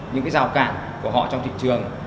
những cái rào cản của họ trong thị trường